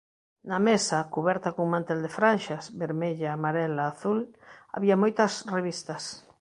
Na mesa, cuberta cun mantel de franxas —vermella, amarela, azul—, había moitas revistas.